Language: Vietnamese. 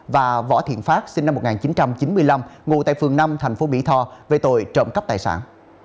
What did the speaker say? và võ thiện phát sinh năm một nghìn chín trăm chín mươi năm ngụ tại phường năm thành phố mỹ tho về tội trộm cắp tài sản